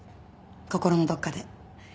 心のどっかで。